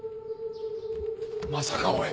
まさかおい。